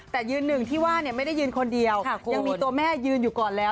แต่ยืนหนึ่งที่ว่าไม่ได้ยืนคนเดียวยังมีตัวแม่ยืนอยู่ก่อนแล้ว